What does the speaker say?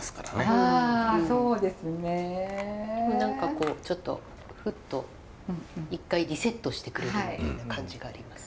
あそうですね。何かこうちょっとフッと一回リセットしてくれるみたいな感じがあります。